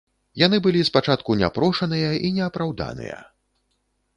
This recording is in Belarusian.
Яны былі спачатку няпрошаныя і неапраўданыя.